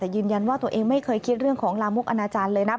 แต่ยืนยันว่าตัวเองไม่เคยคิดเรื่องของลามกอนาจารย์เลยนะ